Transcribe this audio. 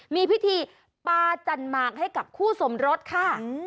มีพิธีปาจันหมากให้กับคู่สมรสค่ะ